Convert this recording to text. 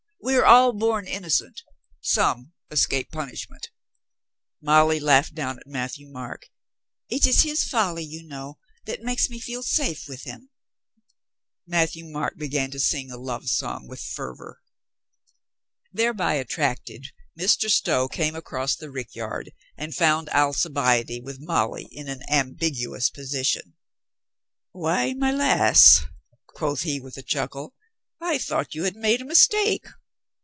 We are all born innocent. Some escape punishment." 468 COLONEL GREATHEART Molly laughed down at Matthieu Marc. "It is his folly, you know, that makes me feel safe with him." Matthieu Marc began to sing a love song with fervor. Thereby attracted, Mr. Stow came across the rick yard and found Alcibiade with Molly in an ambigu ous position. "Why, my lass," quoth he with a chuckle, "I thought you had made a mistake."